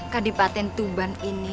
kadipaten tuban ini